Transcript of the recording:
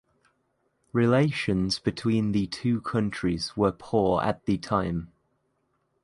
Relations between the two countries were poor at the time.